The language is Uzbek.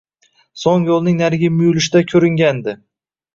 So’ng yo’lning narigi muyulishida ko’ringandi.